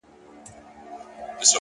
هره ناکامي د نوې لارې اشاره ده!